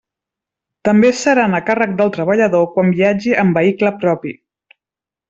També seran a càrrec del treballador quan viatgi en vehicle propi.